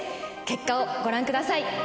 結果をご覧ください。